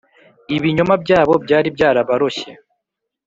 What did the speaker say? ibinyoma byabo byari byarabaroshye,